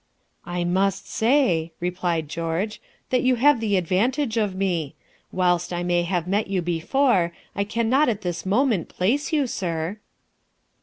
"I must say," replied George, "that you have the advantage of me. Whilst I may have met you before, I can not at this moment place you, sir."